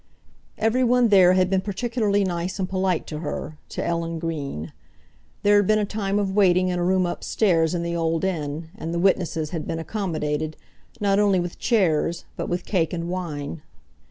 Everyone there had been particularly nice and polite to her, to Ellen Green; there had been a time of waiting in a room upstairs in the old inn, and the witnesses had been accommodated, not only with chairs, but with cake and wine.